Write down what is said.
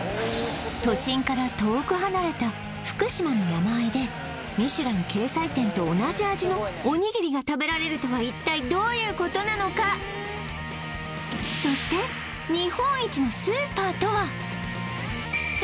都心から遠く離れた福島の山あいでミシュラン掲載店と同じ味のおにぎりが食べられるとは一体どういうことなのかそして日本一のスーパーとは？